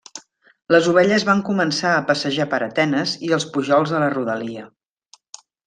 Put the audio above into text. Les ovelles van començar a passejar per Atenes i els pujols de la rodalia.